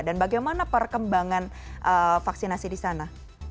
dan bagaimana perkembangan vaksinasi disana